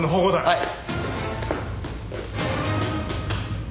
はい！